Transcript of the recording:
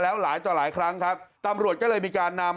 อาวาสมีการฝังมุกอาวาสมีการฝังมุกอาวาสมีการฝังมุก